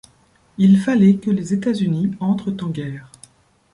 Il fallait que les États-Unis entrent en guerre.